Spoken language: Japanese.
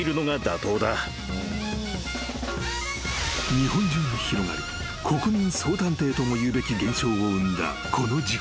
［日本中に広がり国民総探偵ともいうべき現象を生んだこの事件］